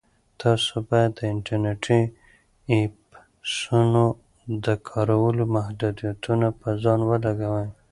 تاسو باید د انټرنیټي ایپسونو د کارولو محدودیتونه په ځان ولګوئ.